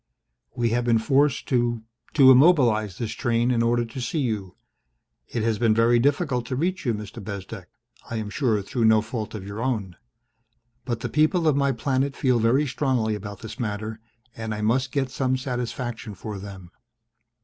"We have been forced to to immobilize this train in order to see you. It has been very difficult to reach you, Mr. Bezdek, I am sure through no fault of your own. But the people of my planet feel very strongly about this matter and I must get some satisfaction for them."